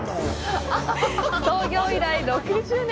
創業以来６０年。